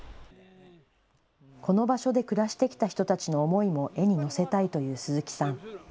この場所で暮らしてきた人たちの思いも絵に乗せたいという鈴木さん。